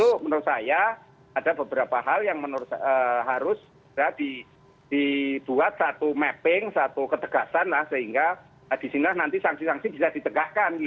itu menurut saya ada beberapa hal yang harus dibuat satu mapping satu ketegasan sehingga disinilah nanti sanksi sanksi bisa ditegakkan